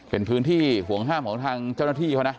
เป็นพื้นที่ห่วงห้ามของทางเจ้าหน้าที่เขานะ